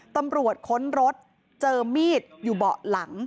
ตำรวจค้นรถเจอมีดอยู่เบาะหลัง